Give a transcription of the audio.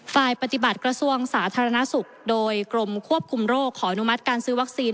ฝ่ายปฏิบัติกระทรวงสาธารณสุขโดยกรมควบคุมโรคขออนุมัติการซื้อวัคซีน